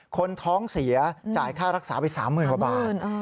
คนท้องเสียจ่ายค่ารักษาไป๓๐๐๐กว่าบาท